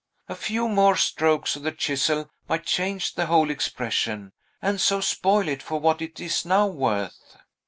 A few more strokes of the chisel might change the whole expression, and so spoil it for what it is now worth."